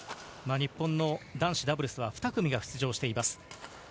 日本の男子ダブルスは２組が出場しています。